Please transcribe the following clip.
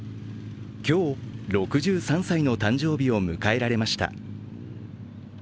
今日、６３歳の誕生日を迎えられました。